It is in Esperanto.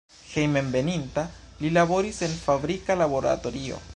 Hejmenveninta, li laboris en fabrika laboratorio.